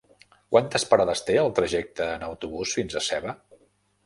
Quantes parades té el trajecte en autobús fins a Seva?